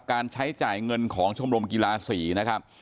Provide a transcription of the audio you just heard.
การใช้จ่ายเงินของชมรมกีฬาศรีนะครับ